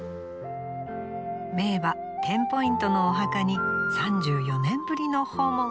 名馬テンポイントのお墓に３４年ぶりの訪問。